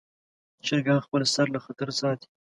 چرګان خپل سر له خطره ساتي.